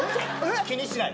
気にしない。